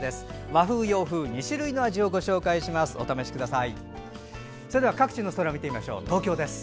和風、洋風２種類の味をご紹介します。